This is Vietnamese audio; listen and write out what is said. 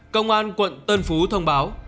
công an quận tân phú thông báo